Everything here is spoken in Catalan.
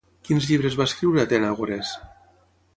Quins llibres va escriure Atenàgores?